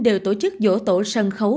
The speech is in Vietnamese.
đều tổ chức vỗ tổ sân khấu